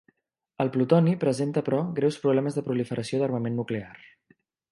El plutoni presenta però greus problemes de proliferació d'armament nuclear.